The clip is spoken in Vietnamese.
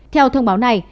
theo thông báo này